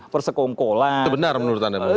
persekongkolan sebenar menurut anda